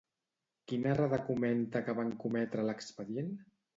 Quina errada comenta que van cometre a l'expedient?